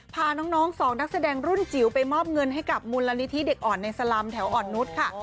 พาน้องสองนักแสดงรุ่นจิ๋วไปมอบเงินให้กับมูลนิธิเด็กอ่อนในสลำแถวอ่อนนุษย์ค่ะ